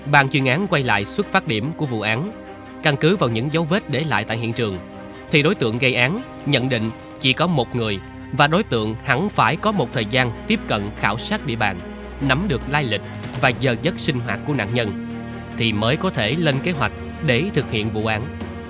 bàn chuyên án quay lại xuất phát điểm của vụ án căn cứ vào những dấu vết để lại tại hiện trường thì đối tượng gây án nhận định chỉ có một người và đối tượng hắn phải có một thời gian tiếp cận khảo sát địa bàn nắm được lai lịch và giờ giấc sinh hoạt của nạn nhân thì mới có thể lên kế hoạch để thực hiện vụ án